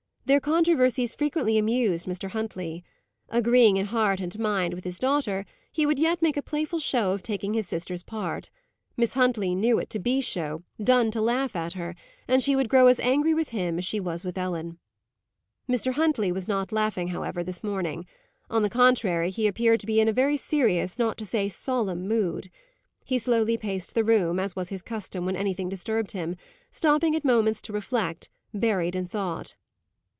Their controversies frequently amused Mr. Huntley. Agreeing in heart and mind with his daughter, he would yet make a playful show of taking his sister's part. Miss Huntley knew it to be show done to laugh at her and would grow as angry with him as she was with Ellen. Mr. Huntley was not laughing, however, this morning. On the contrary, he appeared to be in a very serious, not to say solemn mood. He slowly paced the room, as was his custom when anything disturbed him, stopping at moments to reflect, buried in thought.